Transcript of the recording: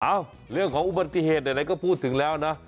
เรื่องของอุบัติเหตุไหนก็พูดถึงแล้วนะ